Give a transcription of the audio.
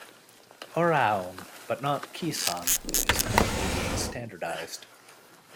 Oraon but not Kisan is currently being standardised.